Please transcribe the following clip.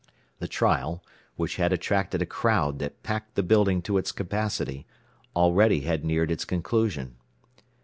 The trial, which had attracted a crowd that packed the building to its capacity, already had neared its conclusion.